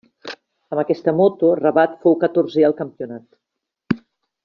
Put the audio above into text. Amb aquesta moto, Rabat fou catorzè al campionat.